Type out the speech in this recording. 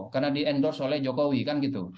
karena di endorse oleh jokowi kan gitu